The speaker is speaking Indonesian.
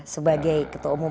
sebagai ketua umum partai